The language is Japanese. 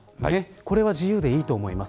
これは自由でいいと思います。